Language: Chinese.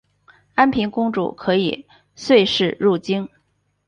安平公主可以岁时入京。